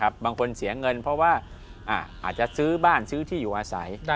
บางคนเสียเงินเพราะว่าอาจจะซื้อบ้านซื้อที่อยู่อาศัย